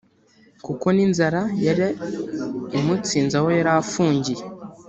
kuko n’inzara yari imutsinze aho yari afungiye